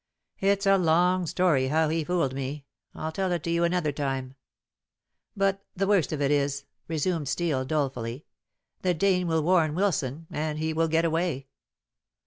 It's a long story how he fooled me. I'll tell it to you another time. But the worst of it is," resumed Steel dolefully, "that Dane will warn Wilson and he will get away.